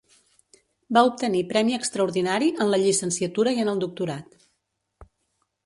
Va obtenir Premi Extraordinari en la Llicenciatura i en el Doctorat.